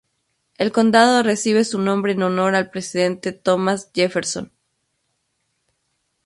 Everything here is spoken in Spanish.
El condado recibe su nombre en honor al Presidente Thomas Jefferson.